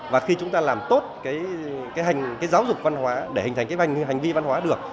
và khi chúng ta làm tốt cái giáo dục văn hóa để hình thành cái hành vi văn hóa được